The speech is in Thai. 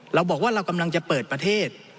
เราบอกว่าเรากำลังจะเปิดประเทศ